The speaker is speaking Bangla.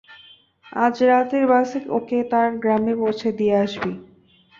আজ রাতের বাসেই ওকে তার গ্রামে পৌছে দিয়ে আসবি।